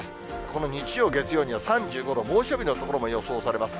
この日曜、月曜には３５度、猛暑日の所も予想されます。